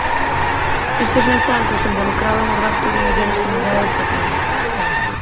Estes asaltos involucraban o rapto de mulleres en idade de procrear.